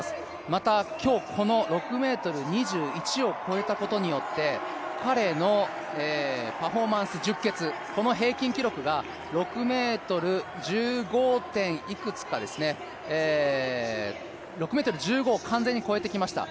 また今日、この６ｍ２１を越えたことによって、彼のパフォーマンス十傑、この平均記録が６ｍ１５を完全に越えてきました。